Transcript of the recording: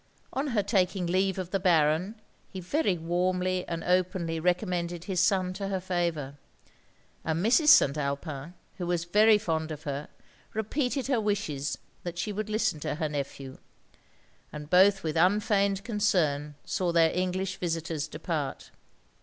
On her taking leave of the Baron, he very warmly and openly recommended his son to her favour; and Mrs. St. Alpin, who was very fond of her, repeated her wishes that she would listen to her nephew; and both with unfeigned concern saw their English visitors depart.